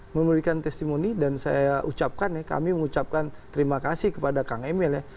memulihkan testimoni dan saya ucapkan kami mengucapkan terima kasih kepada kang emil